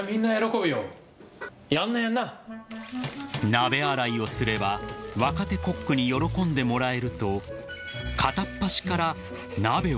［鍋洗いをすれば若手コックに喜んでもらえると］